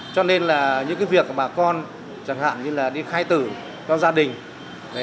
cho nên là những cái việc bà con chẳng hạn như là đi khai tử cho gia đình